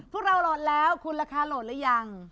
พวกเราโหลดแล้วคุณราคาโหลดหรือยัง